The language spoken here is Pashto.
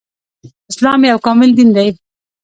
اسلام يو کامل دين دی